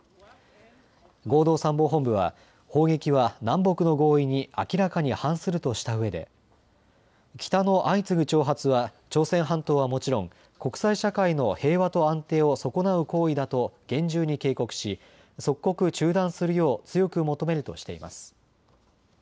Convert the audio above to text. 合同参謀本部は砲撃は南北の合意に明らかに反するとしたうえで北の相次ぐ挑発は朝鮮半島はもちろん国際社会の平和と安定を損なう行為だと厳重に警告し即刻中断するよう強く求めるとしています。